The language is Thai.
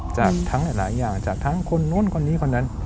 จากทั้งหลายอย่างจากทั้งคนนู้นคนนี้คนนั้น